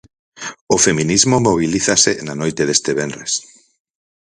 O feminismo mobilízase na noite deste venres.